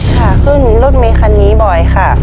ค่ะขึ้นรถเมคันนี้บ่อยค่ะ